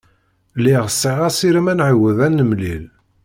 Lliɣ sɛiɣ asirem ad nɛawed ad nemlil.